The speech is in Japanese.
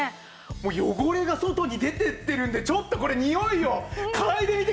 もう汚れが外に出てってるんでちょっとこれにおいを嗅いでみてください。